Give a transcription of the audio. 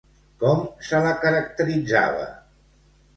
Com se la caracteritzava?